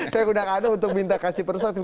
saya undang anda untuk minta kasih person